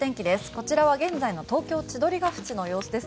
こちらは現在の東京・千鳥ケ淵の様子です。